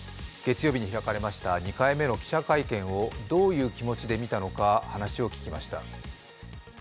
月曜日に開かれた２回目の記者会見をどういう気持ちで見たのか話を聴きました。